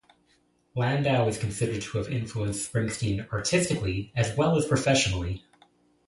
Landau is considered to have influenced Springsteen artistically as well as professionally.